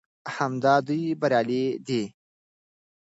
او همدا دوى بريالي دي